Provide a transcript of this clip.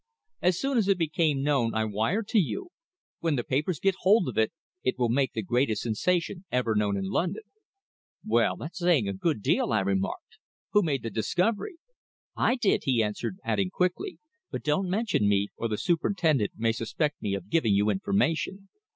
"As soon as it became known I wired to you. When the papers get hold of it, it will make the greatest sensation ever known in London." "Well, that's saying a good deal," I remarked. "Who made the discovery?" "I did," he answered, adding quickly, "but don't mention me, or the superintendent may suspect me of giving you information.